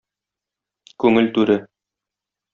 Күңел түре.